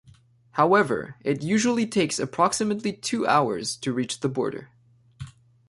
However, it usually takes approximately two hours to reach the border.